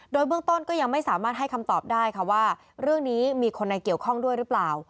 โดยเบื้องต้นก็ยังไม่สามารถให้คำตอบได้ค่ะว่าเรื่องนี้มีคนในเกี่ยวข้องด้วยหรือเปล่า